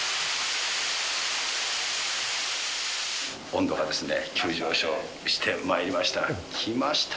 温度がですね、急上昇してまいりました。